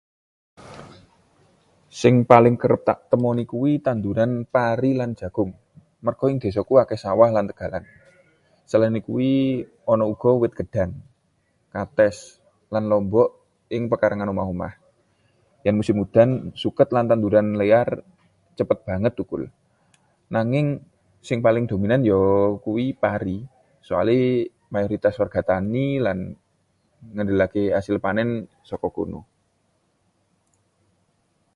Sing paling kerep tak temoni kuwi tanduran pari lan jagung, merga ing desaku akeh sawah lan tegalan. Saliyane kuwi ana uga wit gedhang, kathes, lan lombok ing pekarangan omah-omah. Yen musim udan, suket lan tanduran liar cepet banget thukul. Nanging sing paling dominan ya kuwi pari, soale mayoritas warga tani lan ngandelke asil panen saka kono.